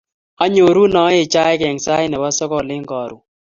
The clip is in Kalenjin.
Anyoru ae chaik eng sait nebo sogol eng koron